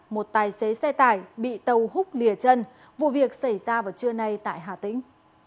một tài xế xe tải bị tàu hút lìa chân vụ việc xảy ra vào trưa nay tại hà tĩnh